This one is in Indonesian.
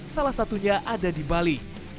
salah satunya ada di bali